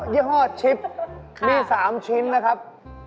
ี่ห้อชิปมี๓ชิ้นนะครับ